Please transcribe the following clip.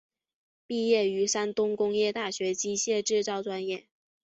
毕业于山东工业大学机械制造专业。